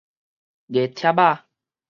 月帖仔